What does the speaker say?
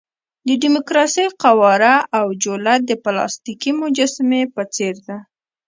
د ډیموکراسۍ قواره او جوله د پلاستیکي مجسمې په څېر ده.